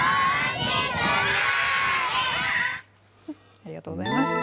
ありがとうございます。